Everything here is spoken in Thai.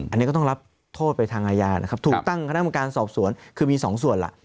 อันนี้ก็ต้องรับโทษไปทางอาญานะครับถูกตั้งคณะกรรมการสอบสวนคือมีสองส่วนล่ะ